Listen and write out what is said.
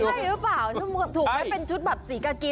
ใช่หรือเปล่าถ้าถูกไหมเป็นชุดแบบสีกากี